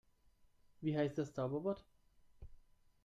Wie heißt das Zauberwort?